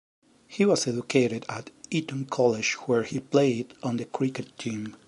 He was educated at Eton College, where he played on the cricket team.